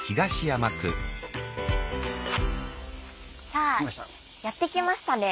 さあやって来ましたね。